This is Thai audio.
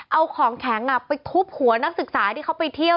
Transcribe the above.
เอาของแข็งไปทุบหัวนักศึกษาที่เขาไปเที่ยว